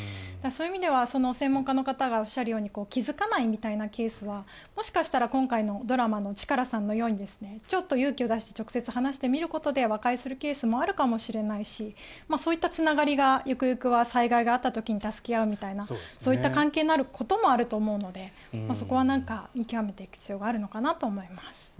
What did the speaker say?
そういう意味では専門家の方がおっしゃるように気付かないみたいなケースはもしかしたら今回のドラマのチカラさんのようにちょっと勇気を出して話してみれば和解するケースもあるかもしれないしそういったつながりが行く行くは災害があった時に助け合うみたいなそういった関係になることもあると思うのでそこは見極めていく必要があるのかなと思います。